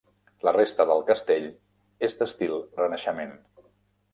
La resta del castell és d'estil Renaixement.